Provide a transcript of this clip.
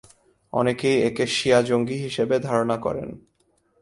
অনেকেই একে শিয়া জঙ্গি হিসেবে ধারণা করেন।